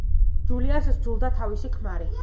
ჯულიას სძულდა თავისი ქმარი.